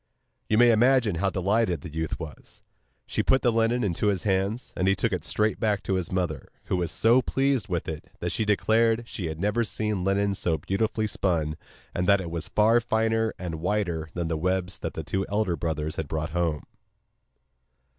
You may imagine how delighted the youth was. She put the linen into his hands, and he took it straight back to his mother, who was so pleased with it that she declared she had never seen linen so beautifully spun, and that it was far finer and whiter than the webs that the two elder brothers had brought home.